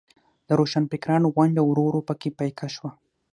د روښانفکرانو ونډه ورو ورو په کې پیکه شوه.